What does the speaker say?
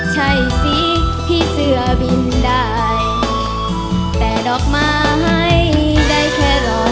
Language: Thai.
ใช่สิพี่เสื้อบินได้แต่ดอกไม้ได้แค่รอ